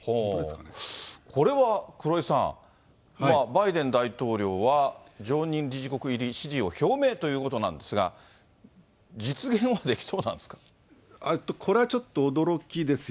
これは黒井さん、バイデン大統領は常任理事国入り支持を表明ということなんですが、これはちょっと、驚きです。